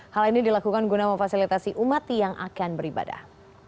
hal ini dilakukan guna memfasilitasi umati yang akan beribadah